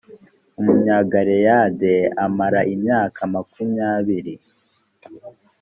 umunyagaleyadi amara imyaka makumyabiri